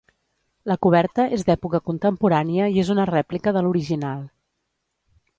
La coberta és d'època contemporània i és una rèplica de l'original.